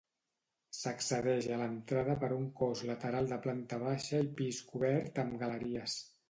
S'accedeix a l'entrada per un cos lateral de planta baixa i pis cobert amb galeries.